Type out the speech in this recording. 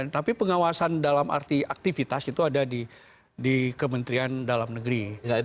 tapi pengawasan dalam arti aktivitas itu ada di kementerian dalam negeri